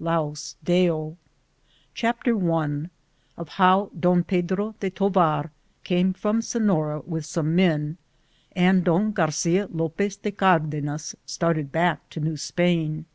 Laua Deo. CHAPTER I Of bow Don Pedro de Tovar came from Sefiore with some men, and Don Garcia Lopez de Cardenas started back to New Spain.